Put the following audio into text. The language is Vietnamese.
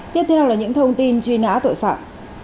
tiếp theo là những thông tin truy nã tội phạm